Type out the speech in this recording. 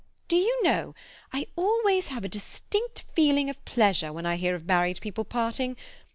"Do you know, I always have a distinct feeling of pleasure when I hear of married people parting.